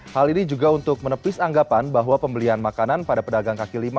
hal ini juga untuk menepis anggapan bahwa pembelian makanan pada pedagang kaki lima